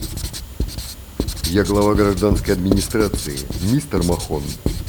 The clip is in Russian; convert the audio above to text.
Я глава гражданской администрации, мистер Махон.